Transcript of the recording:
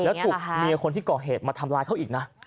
แล้วถูกเมียคนที่ก่อเหตุมาทำร้ายเขาอีกนะ